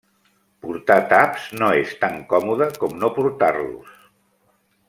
Portar taps no és tan còmode com no portar-los.